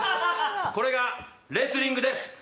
これがレスリングです。